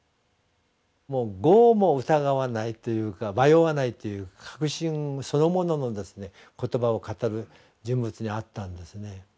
もう毫も疑わないというか迷わないという確信そのものの言葉を語る人物に会ったんですね。